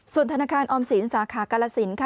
ส่วนธนาคารออมศิลป์สาขากละศิลป์